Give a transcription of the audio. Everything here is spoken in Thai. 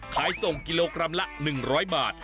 ขายส่งกิโลกรัมละ๑๐๐บาท